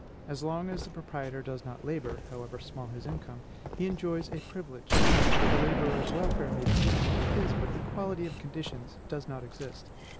As long as the proprietor does not labor, however small his income, he enjoys a privilege; the laborer's welfare may be equal to his, but equality of conditions does not exist.